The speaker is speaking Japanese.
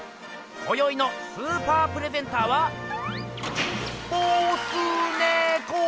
こよいのスーパープレゼンターはボスネコー！